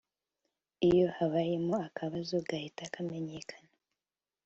iyo habayemo akabazo gahita kamenyekana